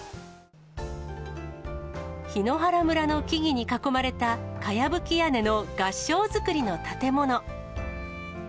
檜原村の木々に囲まれたかやぶき屋根の合掌造りの建物。